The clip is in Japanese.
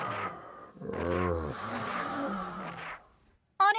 あれ？